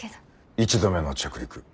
１度目の着陸。